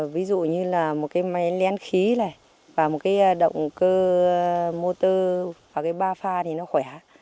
ví dụ như là một cái máy lén khí này và một cái động cơ motor và cái ba pha thì nó khỏe